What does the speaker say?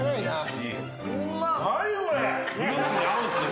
フルーツに合うんすね